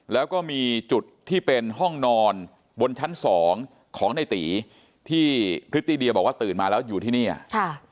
แล้วก็มีจุดที่เป็นห้องนอนบนชั้นสองของในตีที่พริตตีเดียบอกว่าตื่นมาแล้วอยู่ที่นี่อ่ะค่ะ